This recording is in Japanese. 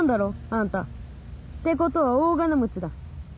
あんたってことは大金持ちだ。